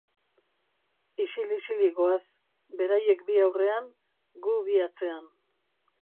Isil-isilik goaz, beraiek bi aurrean, gu bi atzean.